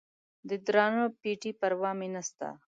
د درانه پېټي پروا مې نسته